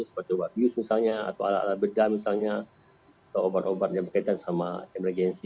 seperti obat bius misalnya atau alat alat bedah misalnya atau obat obat yang berkaitan sama emergensi